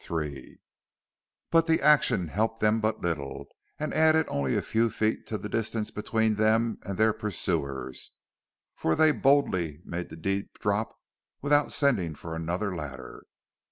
But the action helped them but little, and added only a few feet to the distance between them and their pursuers, for they boldly made the deep drop without sending for another ladder.